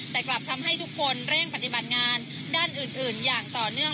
แต่กลับทำให้ทุกคนเร่งปฏิบัติงานด้านอื่นอย่างต่อเนื่อง